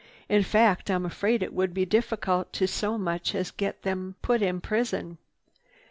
In fact I'm afraid it would be difficult to so much as get them put in prison.